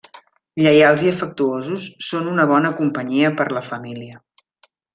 Lleials i afectuosos, són una bona companyia per la família.